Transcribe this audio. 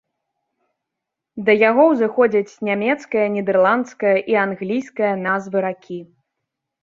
Да яго ўзыходзяць нямецкая, нідэрландская і англійская назвы ракі.